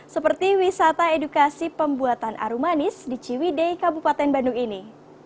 seperti wisata edukasi pembuatan aru manis di ciwidei kabupaten bandung ini